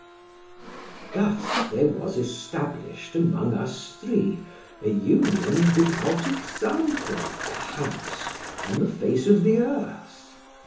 Thus there was established, among us three, a union without example, perhaps, on the face of the earth.